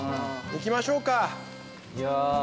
行きましょうか。